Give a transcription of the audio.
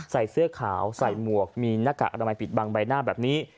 ใส่เสื้อขาวใส่หมวกมีหน้ากากอนามัยปิดบังใบหน้าแบบนี้